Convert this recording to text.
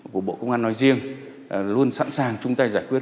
của bộ công an nói riêng luôn sẵn sàng chúng ta giải quyết